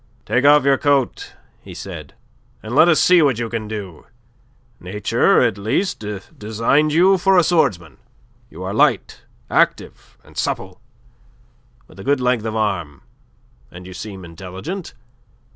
"Take off your coat," he said, "and let us see what you can do. Nature, at least, designed you for a swordsman. You are light, active, and supple, with a good length of arm, and you seem intelligent.